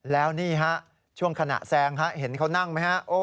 แล้วนี่ฮะช่วงขณะแซงเห็นเขานั่งไหมฮะ